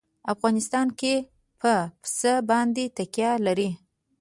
افغانستان په پسه باندې تکیه لري.